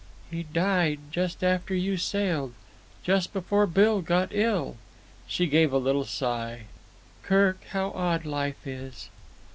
"He died just after you sailed. Just before Bill got ill." She gave a little sigh. "Kirk, how odd life is!"